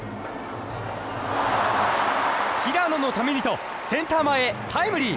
平野のためにとセンター前にタイムリー。